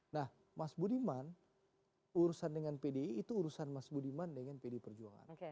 nah mas budiman urusan dengan pdi itu urusan mas budiman dengan pdi perjuangan